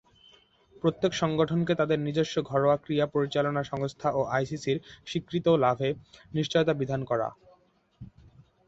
প্রত্যেক সংগঠনকে তাদের নিজস্ব ঘরোয়া ক্রীড়া পরিচালনা সংস্থা ও আইসিসি’র স্বীকৃত লাভে নিশ্চয়তা বিধান করা।